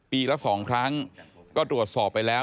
ปีละ๒ครั้งก็ตรวจสอบไปแล้ว